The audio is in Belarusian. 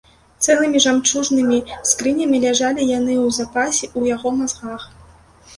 Цэлымі жамчужнымі скрынямі ляжалі яны ў запасе ў яго мазгах.